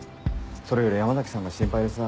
それより山崎さんが心配でさ。